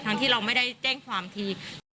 ที่เราไม่ได้แจ้งความที